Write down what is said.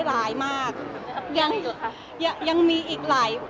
แล้วจะมีแบบ